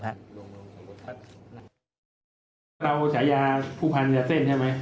เราฉายาผู้พันยาเส้นใช่ไหม